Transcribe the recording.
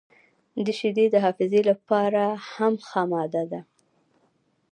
• شیدې د حافظې لپاره هم ښه ماده ده.